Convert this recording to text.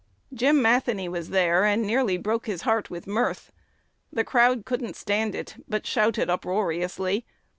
Jim Matheny was there, and nearly broke his heart with mirth. "The crowd couldn't stand it, but shouted uproariously."